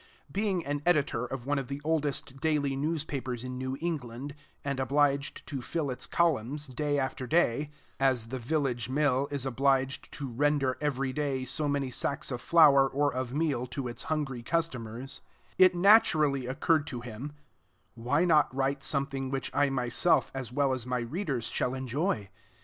Being an editor of one of the oldest daily news papers in New England, and obliged to fill its columns day after day (as the village mill is obliged to render every day so many sacks of flour or of meal to its hungry customers), it naturally occurred to him, "Why not write something which I myself, as well as my readers, shall enjoy?